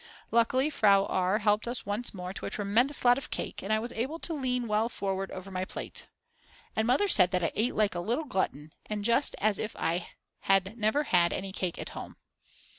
Luckily Frau R. helped us once more to a tremendous lot of cake and I was able to lean well forward over my plate. And Mother said that I ate like a little glutton and just as if I never had any cake at home.